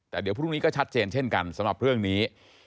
แต่เดี๋ยวพรุ่งนี้ก็ชัดเจนเช่นกันสำหรับเรื่องนี้